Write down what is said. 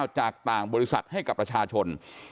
จากต่างบริษัทให้กับประชาชน